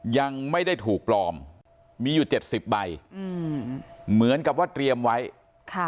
ยังไม่ได้ถูกปลอมมีอยู่เจ็ดสิบใบอืมเหมือนกับว่าเตรียมไว้ค่ะ